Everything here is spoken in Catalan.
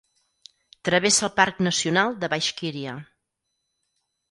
Travessa el parc nacional de Baixkíria.